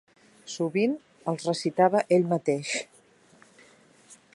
Sovint els recitava ell mateix.